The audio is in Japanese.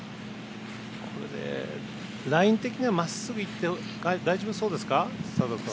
これ、ライン的にはまっすぐ行って大丈夫そうですか佐藤君。